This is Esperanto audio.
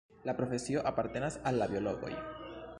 La profesio apartenas al la biologoj.